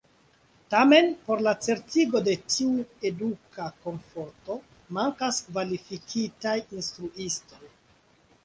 Tamen, por la certigo de tiu eduka komforto mankas kvalifikitaj instruistoj.